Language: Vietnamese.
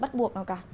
bắt buộc nào cả